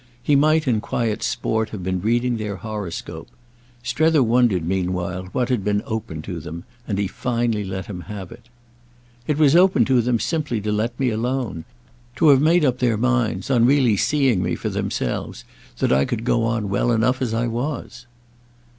He might in quiet sport have been reading their horoscope. Strether wondered meanwhile what had been open to them, and he finally let him have it. "It was open to them simply to let me alone; to have made up their minds, on really seeing me for themselves, that I could go on well enough as I was."